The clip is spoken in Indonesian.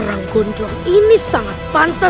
sampai jumpa di video selanjutnya